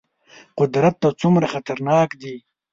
قدرت ته څومره خطرناک دي.